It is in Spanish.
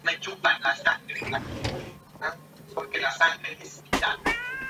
Cada clase le dará un ligero impulso a ciertas estadísticas.